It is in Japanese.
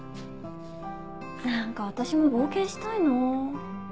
何か私も冒険したいなぁ。